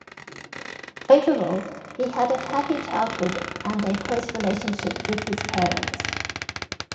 Overall, he had a happy childhood and a close relationship with his parents.